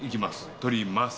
取ります。